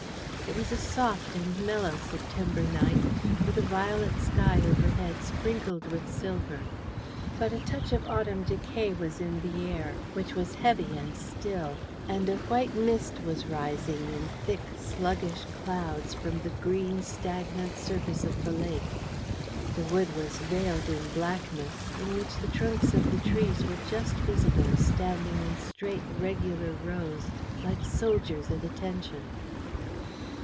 It was a soft and mellow September night, with a violet sky overhead sprinkled with silver. But a touch of autumn decay was in the air, which was heavy and still, and a white mist was rising in thick, sluggish clouds from the green, stagnant surface of the lake. The wood was veiled in blackness, in which the trunks of the trees were just visible, standing in straight, regular rows, like soldiers at attention.